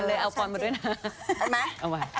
เอาปอนด์มาด้วยนะ